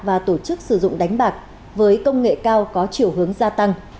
và tổ chức sử dụng đánh bạc với công nghệ cao có chiều hướng gia tăng